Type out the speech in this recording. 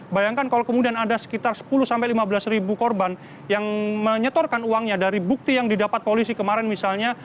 bayangkan kalau kemudian ada sekitar sepuluh lima belas ribu korban yang menyetorkan uangnya dari bukti yang didapat polisi kemarin misalnya